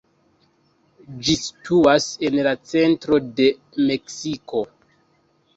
Ĝi situas en la centro de Meksiko.